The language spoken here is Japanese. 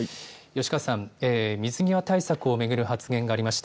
吉川さん、水際対策をめぐる発言がありました。